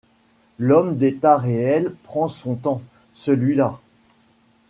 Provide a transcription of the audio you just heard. L'homme d'état réel prend son temps ; celui-là